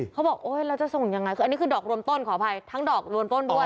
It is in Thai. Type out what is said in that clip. เขาบอกโอ๊ยเราจะส่งยังไงคืออันนี้คือดอกรวมต้นขออภัยทั้งดอกรวมต้นด้วย